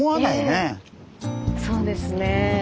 ええそうですね。